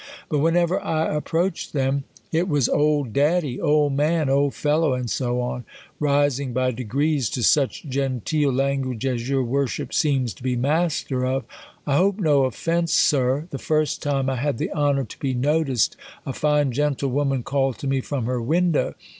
But whenever I approached them, it was old daddy, old man, old fellow, and so on ; rising by degrees to such genteel language as your "Worship seems to be master of. 1 hope no offence. Sir. The first time 1 had the honor to be noticed, a fine gentle woman called to me from her window.